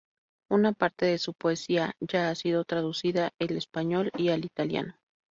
Una parte de su poesía ya ha sido traducida el español y al italiano.